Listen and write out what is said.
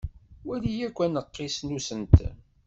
Wali akk aneqqis n usentem.